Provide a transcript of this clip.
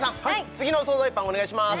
次のお惣菜パンお願いします